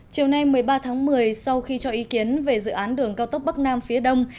chiều nay một mươi ba tháng một mươi sau khi cho ý kiến về dự án đường cao tốc bắc nam phía đông